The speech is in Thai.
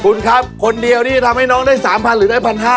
คุณครับคนเดียวที่จะทำให้น้องได้๓๐๐หรือได้๑๕๐๐